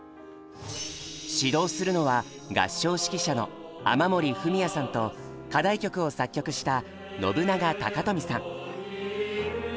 指導するのは合唱指揮者の雨森文也さんと課題曲を作曲した信長貴富さん。